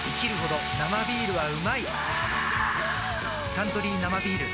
「サントリー生ビール」